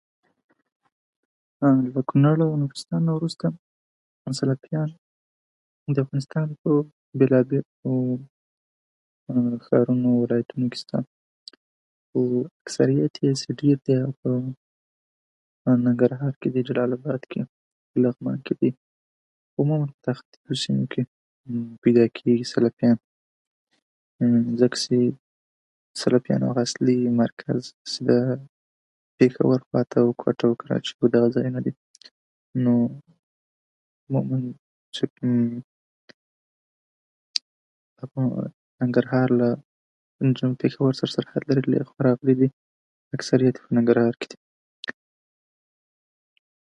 د کونړ او نورستان نه وروسته سلفیان د افغانستان په بیلابیلو ښارونو او ولایتونو کې شته خو اکثریت یې چې ډېر دی په ننګرهار کې دي په جلال اباد کې، په لغمان کې، عمومی تخته سیمو کې پیدا کېږي سلفیان، ځکه چې سلفيانو اصلي مرکز چې ده پيښور خواته کوټه او کراچۍ دا ځايونه دي. نو ننګرهار له پيښور سره سرحد لري، له هغې خوا راغلي دي، اکثريت یې په ننګرهار کې دي.